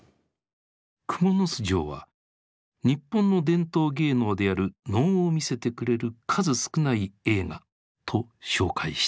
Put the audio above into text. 「『蜘蛛巣城』は日本の伝統芸能である能を見せてくれる数少ない映画」と紹介している。